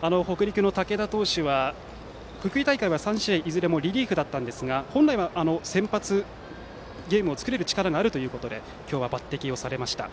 北陸の竹田投手は福井大会は、３試合いずれもリリーフでしたが本来は先発でゲームを作れる力があるということで今日は抜擢をされました。